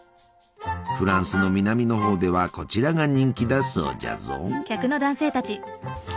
フランスの南のほうではこちらが人気だそうじゃぞ。